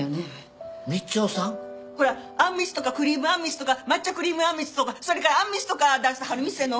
道夫さん？ほらあんみつとかクリームあんみつとか抹茶クリームあんみつとかそれからあんみつとか出してはる店の。